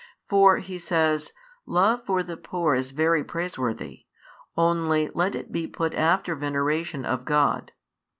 For, He says, love for the poor is very praiseworthy, only let it be put after veneration of God.